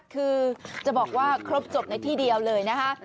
คือจะบอกว่าครบจบในที่เดียวเลยนะคะ